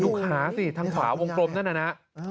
ขาสิทางขวาวงกลมนั่นน่ะนะ